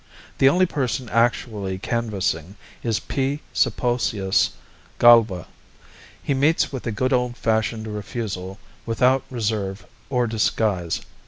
The only person actually canvassing is P. Sulpicius Galba. He meets with a good old fashioned refusal without reserve or disguise.